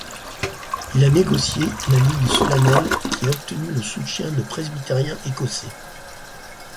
Il a négocié la Ligue solennelle qui a obtenu le soutien de presbytériens écossais.